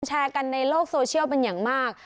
แชร์กันในโลกโซเชียลเป็นอย่างมาก